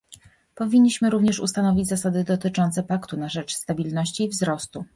Powinniśmy również ustanowić zasady dotyczące paktu na rzecz stabilności i wzrostu